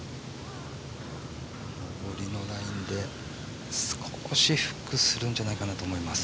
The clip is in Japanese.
上りのラインで少しフックするんじゃないかと思います。